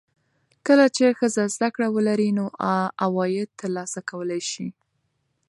کله چې ښځه زده کړه ولري، نو عواید ترلاسه کولی شي.